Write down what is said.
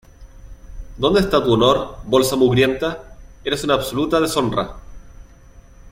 ¿ Dónde está tu honor, bolsa mugrienta? ¡ eres una absoluta deshonra!